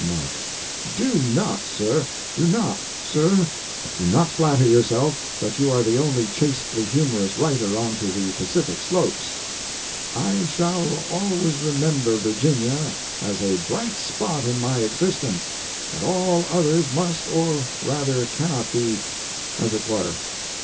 MARK.] DO not sir, do not, sir, do not flatter yourself that you are the only chastely humorous writer onto the Pacific slopes. I shall always remember Virginia as a bright spot in my existence, and all others must or rather cannot be, 'as it were.'"